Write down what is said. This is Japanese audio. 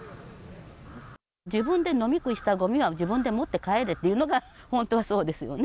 自分で飲み食いしたごみは、自分で持って帰るっていうのが本当はそうですよね。